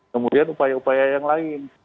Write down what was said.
kemudian upaya upaya yang lain